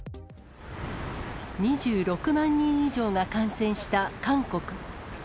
２６万人以上が感染した韓国。